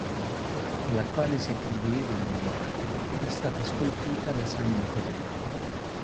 Alla quale si attribuivano dei miracoli, era stata scolpita da San Nicodemo.